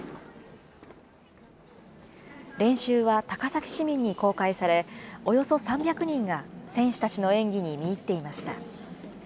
練習は高崎市民に公開され、およそ３００人が選手たちの演技に見入っていました。